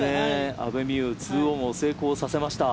阿部未悠２オンを成功させました。